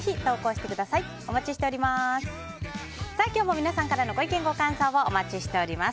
本日も皆さんからのご意見ご感想をお待ちしています。